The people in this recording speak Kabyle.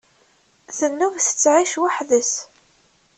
Tennum tettεic weḥd-s.